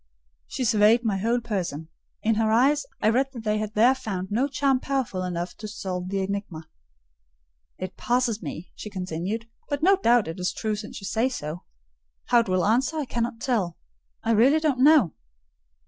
She surveyed my whole person: in her eyes I read that they had there found no charm powerful enough to solve the enigma. "It passes me!" she continued; "but no doubt it is true since you say so. How it will answer, I cannot tell: I really don't know.